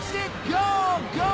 ゴーゴー！